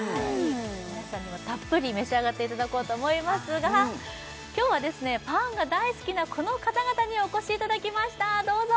皆さんにはたっぷり召し上がっていただこうと思いますが今日はパンが大好きなこの方々にお越しいただきましたどうぞ！